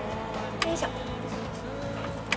よいしょ。